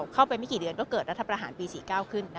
ไม่กี่เดือนก็เกิดรัฐประหารปี๔๙ขึ้น